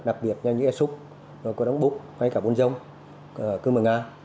đặc biệt như esup cô đống búc bôn dông cương mường a